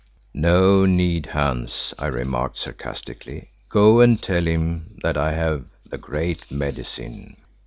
"No need, Hans," I remarked sarcastically. "Go and tell him that I have the Great Medicine."